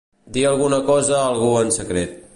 Dir alguna cosa a algú en secret.